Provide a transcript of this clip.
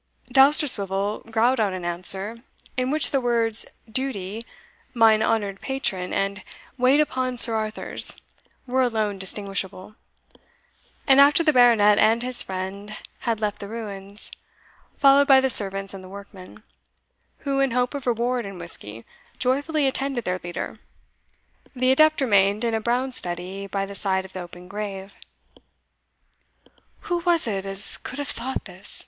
Dousterswivel growled out an answer, in which the words, "duty," "mine honoured patron," and "wait upon Sir Arthurs," were alone distinguishable; and after the Baronet and his friend had left the ruins, followed by the servants and workmen, who, in hope of reward and whisky, joyfully attended their leader, the adept remained in a brown study by the side of the open grave. "Who was it as could have thought this?"